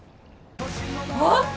あっ！